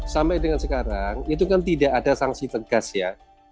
sampai dengan sekarang itu kan tidak ada sanksi tegas ya